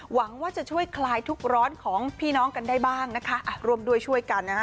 หวังว่าจะช่วยคลายทุกข์ร้อนของพี่น้องกันได้บ้างนะคะอ่ะร่วมด้วยช่วยกันนะฮะ